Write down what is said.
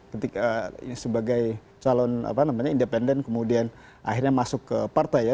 ketika sebagai calon apa namanya independen kemudian akhirnya masuk ke partai ya